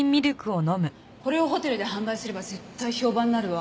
これをホテルで販売すれば絶対評判になるわ。